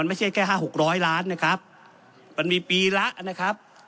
ไม่ใช่แค่ห้าหกร้อยล้านนะครับมันมีปีละนะครับ